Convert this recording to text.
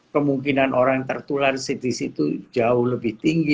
kemungkinan orang yang tertular di situ jauh lebih tinggi